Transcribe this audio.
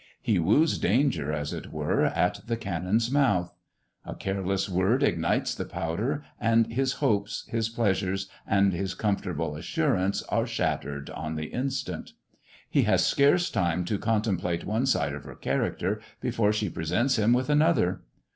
He woos danger, as it were, at the cannon's mouth. A careless word ignites the powder, and his hopes, his pleasures, and his comfortable assurance are shattered on the instant. He has scarce time to con template one side of her character before she presents him with another.